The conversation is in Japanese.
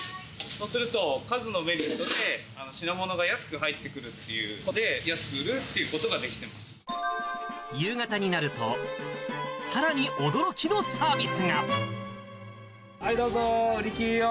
そうすると、数のメリットで品物が安く入ってくるっていうので、安く売るって夕方になると、さらに驚きのはい、どうぞ、売りきるよ。